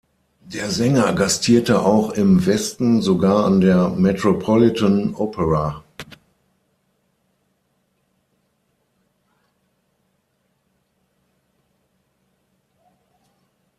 Der Sänger gastierte auch im Westen, sogar an der Metropolitan Opera.